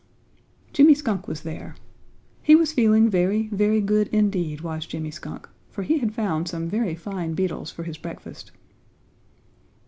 Jimmy Skunk was there. He was feeling very, very good indeed, was Jimmy Skunk, for he had found some very fine beetles for his breakfast.